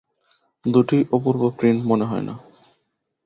দুটিই অপূর্ব প্রিন্ট মনেই হয় না।